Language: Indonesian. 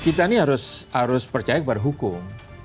kita ini harus percaya kepada hukum